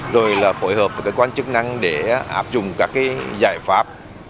rồi là phối hợp với cơ quan chức năng để áp dụng các giải pháp